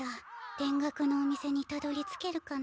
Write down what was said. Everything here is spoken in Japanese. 田楽のお店にたどりつけるかな。